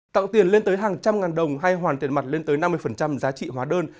tặng tiền lên tới hàng trăm ngàn đồng hay hoàn tiền mặt lên tới năm mươi giá trị hóa đơn